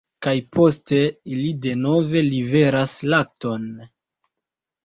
Kaj poste ili denove liveras lakton.